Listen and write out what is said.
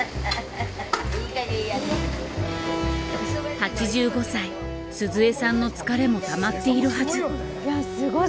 ８５歳鈴江さんの疲れもたまっているはず。